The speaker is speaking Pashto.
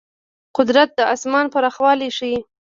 قدرت د آسمان پراخوالی ښيي.